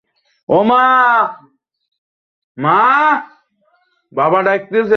সে কোন ক্ষেতের মুলা?